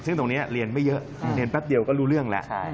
ซึ่งตรงนี้เรียนไม่เยอะเรียนแป๊บเดียวก็รู้เรื่องแล้ว